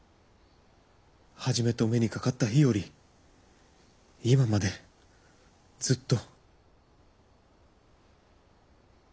初めてお目にかかった日より今までずっと。